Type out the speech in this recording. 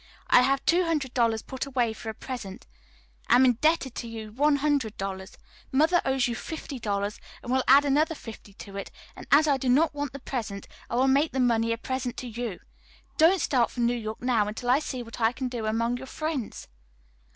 I have two hundred dollars put away for a present; am indebted to you one hundred dollars; mother owes you fifty dollars, and will add another fifty to it; and as I do not want the present, I will make the money a present to you. Don't start for New York now until I see what I can do among your friends."